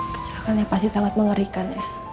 kejelakannya pasti sangat mengerikan ya